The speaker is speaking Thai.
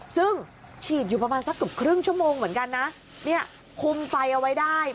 ซึ่งฉีดอยู่ประมาณสักเกือบครึ่งชั่วโมงเหมือนกันนะเนี่ยคุมไฟเอาไว้ได้